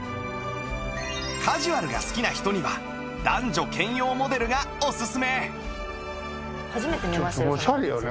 カジュアルが好きな人には男女兼用モデルがおすすめ